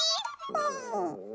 うん。